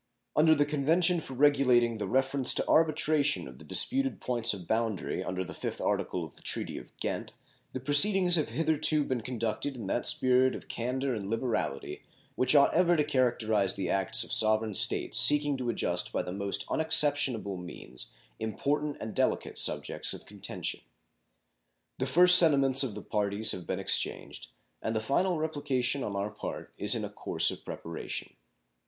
Under the convention for regulating the reference to arbitration of the disputed points of boundary under the 5th article of the treaty of Ghent, the proceedings have hitherto been conducted in that spirit of candor and liberality which ought ever to characterize the acts of sovereign States seeking to adjust by the most unexceptionable means important and delicate subjects of contention. The first sentiments of the parties have been exchanged, and the final replication on our part is in a course of preparation.